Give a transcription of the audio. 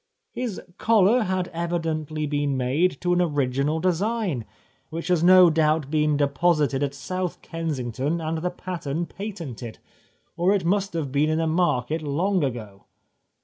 His collar had evidently been made to an original design, which has no doubt been deposited at South Kensington and the pattern patented, or it must have been in the market long ago.